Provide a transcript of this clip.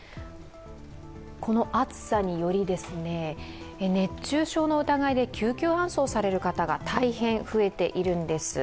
この暑さにより、熱中症の疑いで救急搬送される方が大変増えているんです。